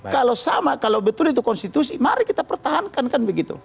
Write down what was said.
kalau sama kalau betul itu konstitusi mari kita pertahankan kan begitu